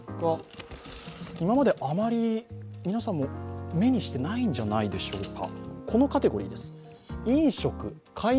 今まであまり皆さんも目にしてないんじゃないでしょうか、このカテゴリーです。